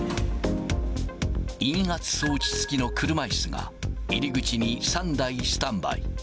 陰圧装置付きの車いすが入り口に３台スタンバイ。